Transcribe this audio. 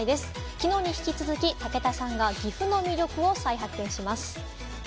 きのうに引き続き、武田さんが岐阜の魅力を再発見します。